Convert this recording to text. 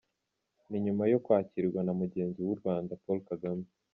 Ni nyuma yo kwakirwa na mugenzi w’u Rwanda, Paul Kagame.